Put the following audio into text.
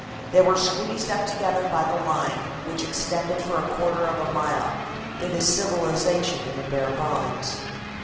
They were squeezed up together by the line, which extended for a quarter of a mile. It is civilization in the bare bones.